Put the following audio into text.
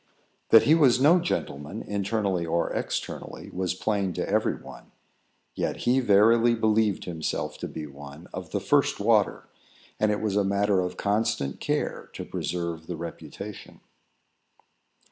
That he was no gentleman, internally or externally, was plain to every one; yet he verily believed himself to be one of the first water, and it was a matter of constant care to preserve the reputation.